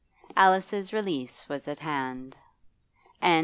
Alice's release was at hand.